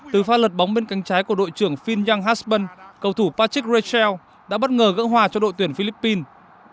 từ pha lật bóng bên cánh trái của đội trưởng finn young hassman cầu thủ patrick rachel đã bất ngờ gỡ hòa cho đội tuyển philippines